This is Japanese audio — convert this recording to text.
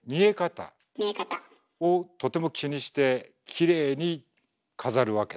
見え方。をとても気にしてきれいに飾るわけ。